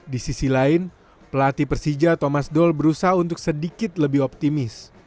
di sisi lain pelatih persija thomas doll berusaha untuk sedikit lebih optimis